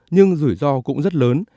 nhưng rủi ro cũng rất lớn